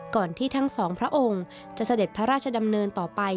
ที่ทั้งสองพระองค์จะเสด็จพระราชดำเนินต่อไป